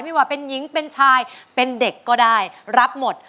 ว่าเป็นหญิงเป็นชายเป็นเด็กก็ได้รับหมด